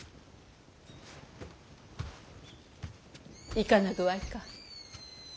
いかな具合か？